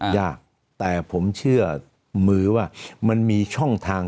ยากมันมีช่องทาง